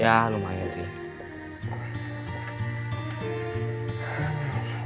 ya lumayan sih